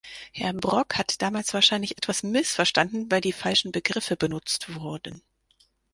Herr Brok hat damals wahrscheinlich etwas missverstanden, weil die falschen Begriffe benutzt wurden.